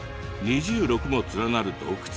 ２６も連なる洞窟。